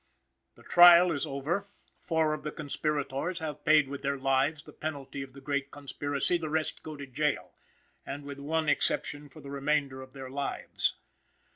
The trial is over; four of the conspirators have paid with their lives the penalty of the Great Conspiracy; the rest go to the jail, and with one exception for the remainder of their lives.